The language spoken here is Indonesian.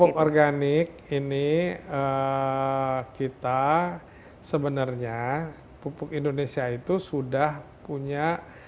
pupuk organik ini kita sebenarnya pupuk indonesia itu sudah punya